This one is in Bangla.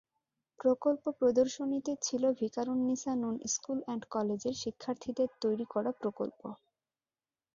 প্রকল্প প্রদর্শনীতে ছিল ভিকারুন্নিসা নূন স্কুল অ্যান্ড কলেজের শিক্ষার্থীদের তৈরি করা প্রকল্প।